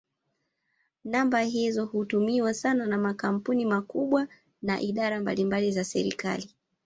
Namba hizo hutumiwa sana na makampuni makubwa na idara mbalimbali za serikali.